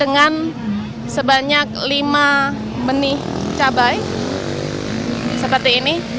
dengan sebanyak lima benih cabai seperti ini